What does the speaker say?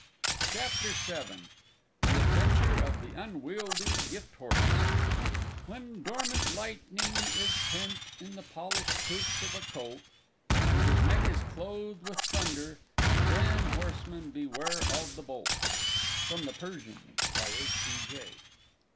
CHAPTER VII THE ADVENTURE OF THE UNWIELDY GIFTHORSE When dormant lightning is pent in the polished hoofs of a colt, And his neck is clothed with thunder, then, horseman, beware of the bolt! _From the Persian, by H. B. J.